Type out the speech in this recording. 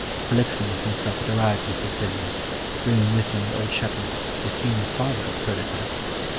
Polixenes himself had arrived in Sicilia, bringing with him the old shepherd, the seeming father of Perdita.